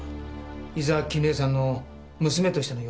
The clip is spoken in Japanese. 伊沢絹江さんの娘としての養子です。